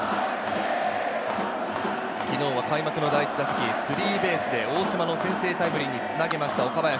昨日は開幕の第１打席、スリーベースで大島の先制タイムリーにつなげました、岡林。